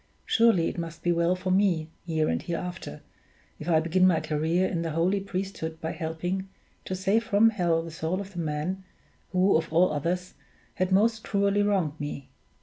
Surely it must be well for me, here and hereafter, if I begin my career in the holy priesthood by helping to save from hell the soul of the man who, of all others, has most cruelly wronged me.